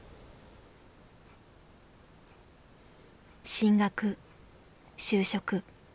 進学就職。